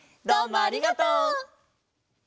どうもありがとう！